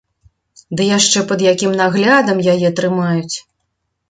Ды яшчэ пад якім наглядам яе трымаюць!